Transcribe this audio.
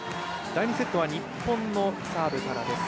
第２セットは日本のサーブからです。